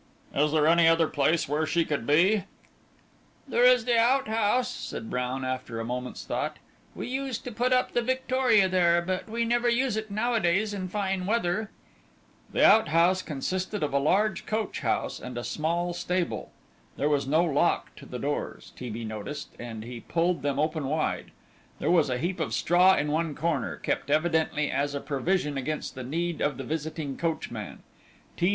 "Is there any other place where she could be?" "There is the outhouse," said Brown, after a moment's thought; "we used to put up the victoria there, but we never use it nowadays in fine weather." The outhouse consisted of a large coachhouse and a small stable. There was no lock to the doors, T. B. noticed, and he pulled them open wide. There was a heap of straw in one corner, kept evidently as a provision against the need of the visiting coachman.